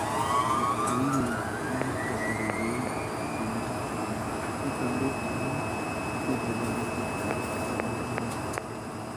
Meiweipik maat kasari kou kenym nitok ko amu kitechee korik chechang' ng'ung'unyek